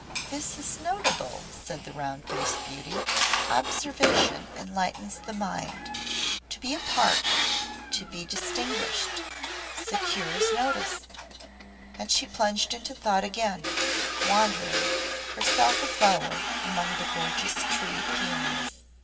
"This is notable," said the Round Faced Beauty. "Observation enlightens the mind. To be apart to be distinguished secures notice!" And she plunged into thought again, wandering, herself a flower, among the gorgeous tree peonies.